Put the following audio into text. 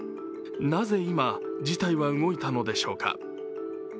なぜ今、事態は動いたのでしょうか